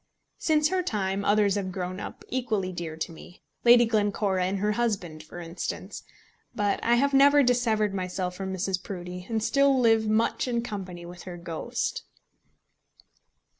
Since her time others have grown up equally dear to me, Lady Glencora and her husband, for instance; but I have never dissevered myself from Mrs. Proudie, and still live much in company with her ghost.